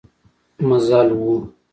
مزل و.